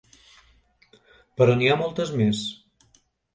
Però n'hi ha moltes més.